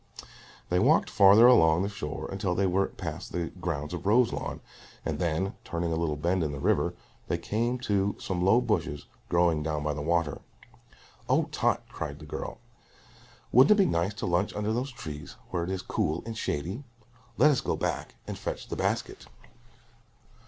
They walked farther along the shore until they were past the grounds of Roselawn, and then, turning a little bend in the river, they came to some low bushes growing down by the water. "Oh, Tot," cried the girl, "wouldn't it be nice to lunch under those trees, where it is cool and shady? Let us go back and fetch the basket."